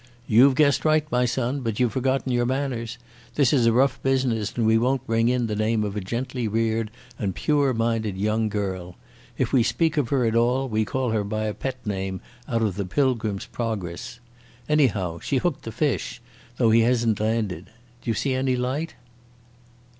"You've guessed right, my son, but you've forgotten your manners. This is a rough business and we won't bring in the name of a gently reared and pure minded young girl. If we speak to her at all we call her by a pet name out of the Pilgrim's Progress.... Anyhow she hooked the fish, though he isn't landed. D'you see any light?"